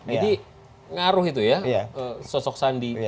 jadi ngaruh itu ya sosok sandi